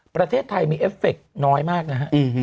ประเทศไทยมีเอฟเฟคน้อยมากนะฮะ